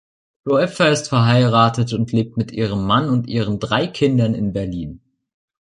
Kloepfer ist verheiratet und lebt mit ihrem Mann und ihren drei Kindern in Berlin.